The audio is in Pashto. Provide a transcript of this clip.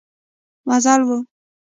مزل و.